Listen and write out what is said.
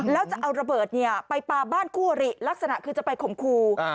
แล้วจะเอาระเบิดไปปลาบ้านคู่อริลักษณะคือจะไปข่มครู